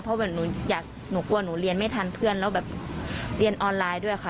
เพราะแบบหนูอยากหนูกลัวหนูเรียนไม่ทันเพื่อนแล้วแบบเรียนออนไลน์ด้วยค่ะ